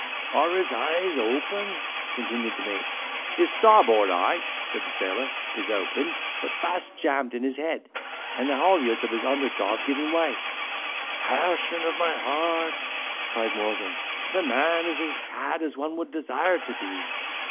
"Are his eyes open," continued the mate. "His starboard eye," said the sailor, "is open, but fast jammed in his head: and the haulyards of his under jaw have given way." "Passion of my heart!" cried Morgan, "the man is as pad as one would desire to be!